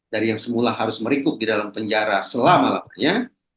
dari yang semula harus merikuk di dalam penjara selama lamanya